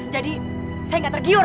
jadi saya gak tergiur